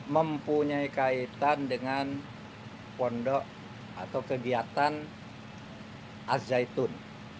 mempunyai kaitan dengan pondok atau kegiatan azaitun